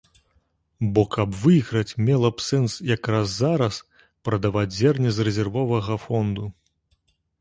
Бо каб выйграць, мела б сэнс якраз зараз прадаваць зерне з рэзервовага фонду.